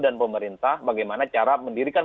dan pemerintah bagaimana cara mendirikan